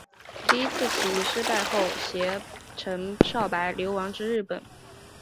第一次起义失败后偕陈少白流亡至日本。